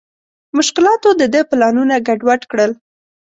مشکلاتو د ده پلانونه ګډ وډ کړل.